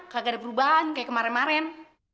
kagak ada perubahan kayak kemarin kemarin